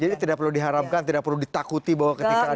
jadi tidak perlu diharamkan tidak perlu ditakuti bahwa ketika ada kiai nu